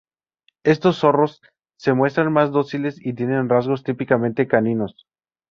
Estos zorros se muestran más dóciles y tienen rasgos típicamente caninos.